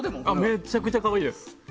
めちゃくちゃ可愛いです！